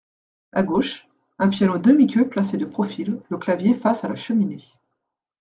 À gauche, un piano demi-queue placé de profil, le clavier face à la cheminée.